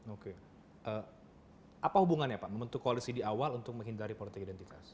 oke apa hubungannya pak membentuk koalisi di awal untuk menghindari politik identitas